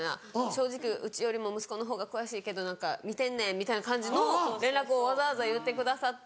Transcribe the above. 「正直うちよりも息子の方が詳しいけど見てんねん」みたいな感じの連絡をわざわざ言ってくださって。